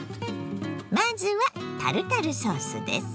まずはタルタルソースです。